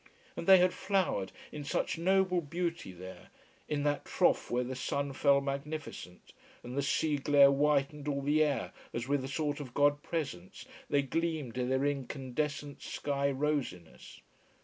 And they had flowered in such noble beauty there, in that trough where the sun fell magnificent and the sea glare whitened all the air as with a sort of God presence, they gleamed in their incandescent sky rosiness.